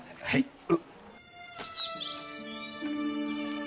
はい。